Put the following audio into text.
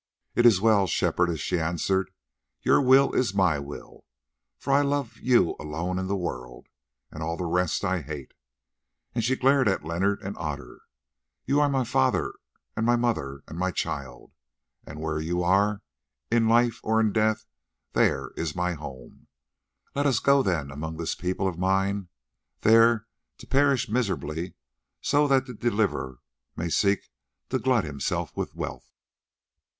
"It is well, Shepherdess," she answered, "your will is my will, for I love you alone in the world, and all the rest I hate," and she glared at Leonard and Otter. "You are my father, and my mother, and my child, and where you are, in death or in life, there is my home. Let us go then among this people of mine, there to perish miserably, so that the Deliverer may seek to glut himself with wealth.